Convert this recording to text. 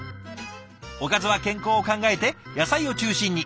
おかずは健康を考えて野菜を中心に。